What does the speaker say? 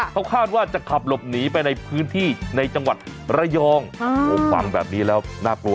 เขาคาดว่าจะขับหลบหนีไปในพื้นที่ในจังหวัดระยองฟังแบบนี้แล้วน่ากลัว